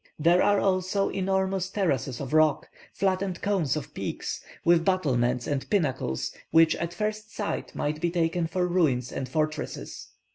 There are, also, enormous terraces of rock, flattened cones of peaks, with battlements and pinnacles, which at first sight might be taken for ruins and fortresses.